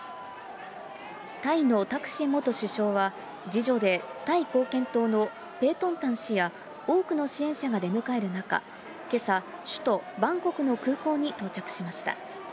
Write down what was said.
タイのタクシン元首相は、次女でタイ貢献党のペートンタン氏や多くの支援者が出迎える中、けさ、首都バンコクの空港に到着しました。